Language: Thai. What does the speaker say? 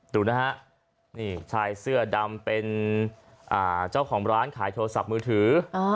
ดูนะฮะนี่ชายเสื้อดำเป็นเจ้าของร้านขายโทรศัพท์มือถือ